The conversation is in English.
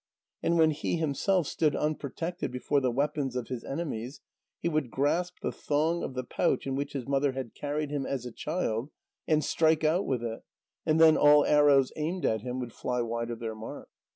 And when he himself stood unprotected before the weapons of his enemies, he would grasp the thong of the pouch in which his mother had carried him as a child, and strike out with it, and then all arrows aimed at him would fly wide of their mark.